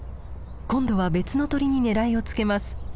今度は別の鳥に狙いをつけます。